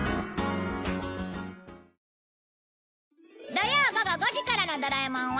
土曜午後５時からの『ドラえもん』は